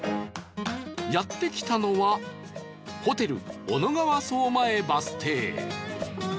やって来たのはホテル小野川荘前バス停